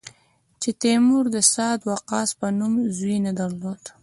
چې تیمور د سعد وقاص په نوم زوی نه درلود.